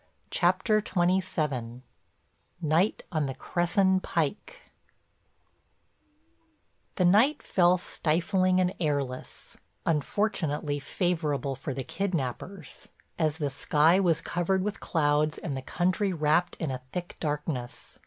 CHAPTER XXVII—NIGHT ON THE CRESSON PIKE The night fell stifling and airless, unfortunately favorable for the kidnapers, as the sky was covered with clouds and the country wrapped in a thick darkness.